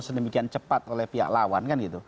sedemikian cepat oleh pihak lawan